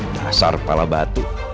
dasar pala batu